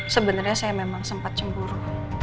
sebenarnya saya memang sempat cemburu